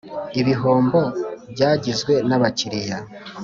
ibihombo byagizwe n abakiliya